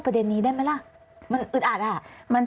สิ่งที่ประชาชนอยากจะฟัง